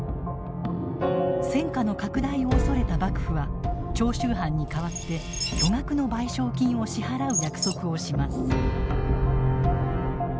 戦火の拡大を恐れた幕府は長州藩に代わって巨額の賠償金を支払う約束をします。